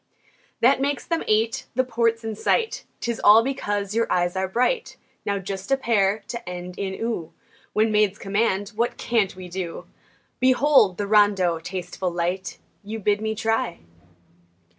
That makes them eight. The port's in sight 'Tis all because your eyes are bright! Now just a pair to end in "oo" When maids command, what can't we do? Behold! the rondeau, tasteful, light, You bid me try!